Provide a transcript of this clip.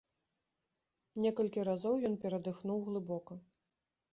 Некалькі разоў ён перадыхнуў глыбока.